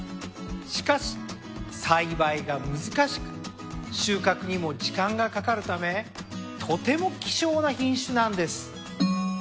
しかし栽培が難しく収穫にも時間がかかるためとても希少な品種なんです。